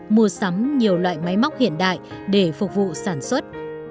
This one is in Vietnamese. mua sắm nhiều loại máy móc hiện đại để phục vụ sản xuất